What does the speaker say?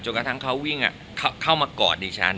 กระทั่งเขาวิ่งเข้ามากอดดิฉัน